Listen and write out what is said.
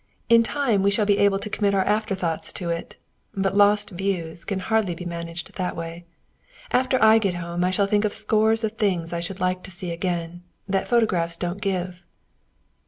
"In time we shall be able to commit our afterthoughts to it. But lost views can hardly be managed that way. After I get home I shall think of scores of things I should like to see again that photographs don't give."